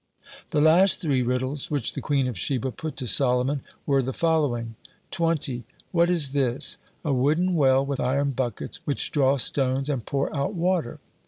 (46) The last three riddles which the Queen of Sheba put to Solomon were the following: 20. "What is this? A wooden well with iron buckets, which draw stones and pour out water."